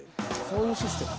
そういうシステム。